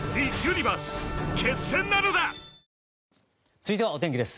続いてはお天気です。